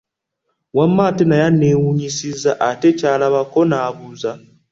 Wamma ate naye aneewunyisiza ate ky'alabako n'abuuza.